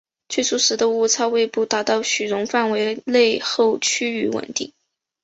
最初时的误差为不达到许容范围内后趋于稳定。